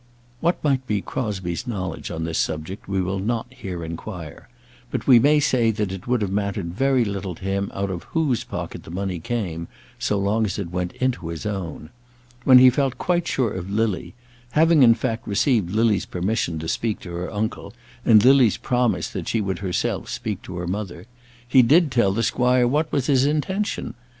What might be Crosbie's knowledge on this subject we will not here inquire; but we may say that it would have mattered very little to him out of whose pocket the money came, so long as it went into his own. When he felt quite sure of Lily, having, in fact, received Lily's permission to speak to her uncle, and Lily's promise that she would herself speak to her mother, he did tell the squire what was his intention.